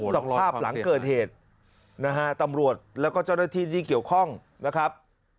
จากภาพหลังเกิดเหตุนะฮะตำรวจแล้วก็เจ้าหน้าที่ที่เกี่ยวข้องนะครับ